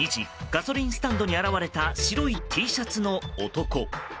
ガソリンスタンドに現れた白いＴシャツの男。